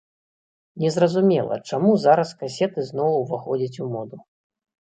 Не зразумела, чаму зараз касеты зноў уваходзяць у моду.